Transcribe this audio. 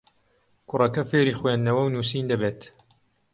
کوڕەکە فێری خوێندنەوە و نووسین دەبێت.